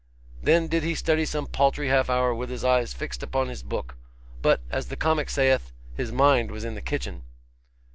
Then did he study some paltry half hour with his eyes fixed upon his book; but, as the comic saith, his mind was in the kitchen.